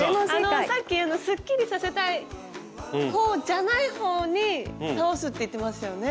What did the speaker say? さっきすっきりさせたい方じゃない方に倒すって言ってましたよね。